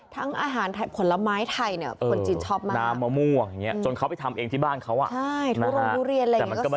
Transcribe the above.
ทั้งอาหารแบบผลไม้ไทยเนี่ยคุณจีนชอบมากน้ำมะม่วงใหญ่จนเขาไปทำเองที่บ้านเขาใช่ที่ชายทุเรียนอะไรเนี่ยก็สักละลำ